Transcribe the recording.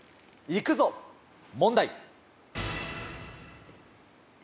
行くぞ問題。